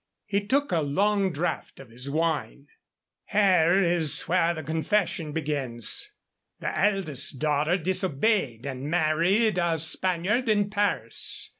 He took a long draught of his wine. "Here is where the confession begins. The eldest daughter disobeyed and married a Spaniard in Paris.